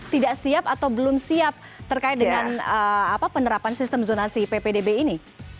tidak siap atau belum siap terkait dengan penerapan sistem zonasi ppdb ini